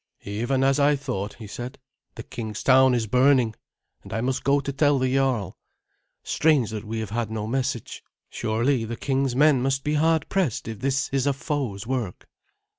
"Even as I thought," he said. "The king's town is burning, and I must go to tell the jarl. Strange that we have had no message. Surely the king's men must be hard pressed if this is a foe's work."